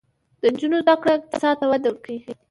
د نجونو زده کړه اقتصاد ته وده ورکوي.